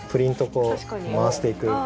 こう回していく。